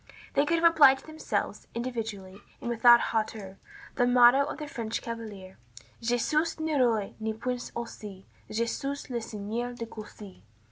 They could have applied to themselves, individually, and without hauteur, the motto of the French chevalier: "Je suis ni roi, ni prince aussi, Je suis le seigneur de Coucy."